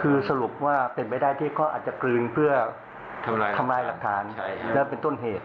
คือสรุปว่าเป็นไปได้ที่เขาอาจจะกลืนเพื่อทำลายหลักฐานและเป็นต้นเหตุ